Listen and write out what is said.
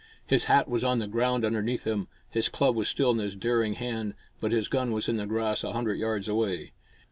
His hat was on the ground underneath him, his club was still in his daring hand, but his gun was in the grass a hundred yards away.